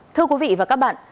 thưa quý vị và các bạn